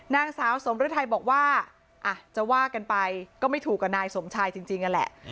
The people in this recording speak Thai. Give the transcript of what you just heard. นางสาวสมฤทัยบอกว่าจะว่ากันไปก็ไม่ถูกกับนายสมชายจริงนั่นแหละ